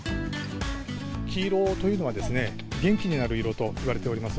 黄色というのは、元気になる色といわれております。